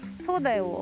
そうだよ。